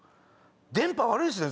電波悪いっすね